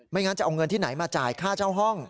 งั้นจะเอาเงินที่ไหนมาจ่ายค่าเช่าห้อง